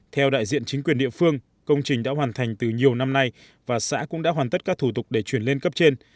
theo đại diện chính quyền địa phương công trình đã hoàn thành từ nhiều năm nay và xã cũng đã hoàn tất các thủ tục để chuyển lên cấp trên